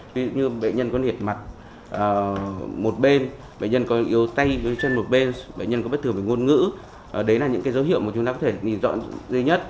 ví dụ như bệnh nhân có nhiệt mặt một bên bệnh nhân có yếu tay trên một bên bệnh nhân có bất thường về ngôn ngữ đấy là những dấu hiệu mà chúng ta có thể nhìn dọn dây nhất